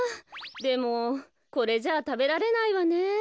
でもこれじゃあたべられないわね。